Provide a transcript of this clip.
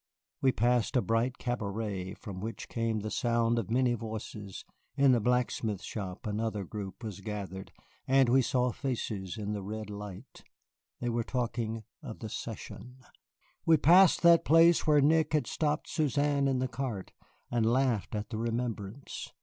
We passed a bright cabaret from which came the sound of many voices; in the blacksmith's shop another group was gathered, and we saw faces eager in the red light. They were talking of the Cession. We passed that place where Nick had stopped Suzanne in the cart, and laughed at the remembrance.